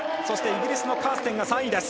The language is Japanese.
そしてイギリスのカーステンが３位。